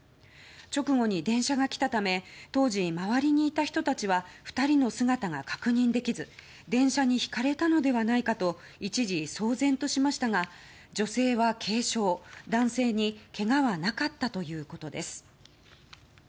直後に電車が来たため当時、周りにいた人たちは２人の姿が確認できず電車にひかれたのではないかと一時騒然としましたが女性は軽傷、男性にけがはなかったということです。